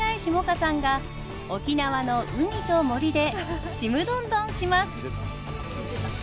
歌さんが沖縄の海と森でちむどんどんします！